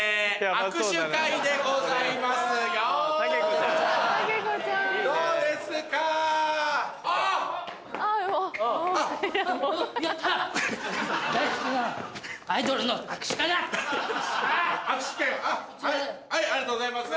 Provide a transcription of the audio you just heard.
握手券ありがとうございます。